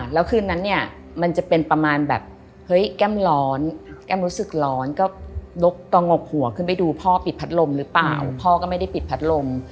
แล้วคืนนั้นเนี่ยมันจะเป็นประมาณแบบเฮ้ยแก้มร้อนแก้มรู้สึกร้อนก็งกหัวขึ้นไปดูพ่อปิดพัดลมหรือเปล่าพ่อก็ไม่ได้ปิดพัดลม